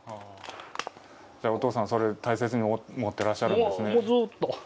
お父さん、それ大切に持っていらっしゃるんですね。